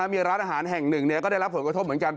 มีร้านอาหารแห่งหนึ่งก็ได้รับผลกระทบเหมือนกัน